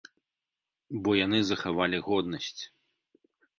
Бо яны захавалі годнасць.